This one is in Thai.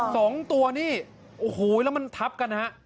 สองตัวนี่โอ้โหแล้วมันทับกันนะฮะ